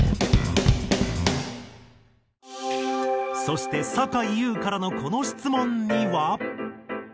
そしてさかいゆうからのこの質問には。